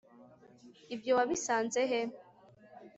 Ibyo wabisanze he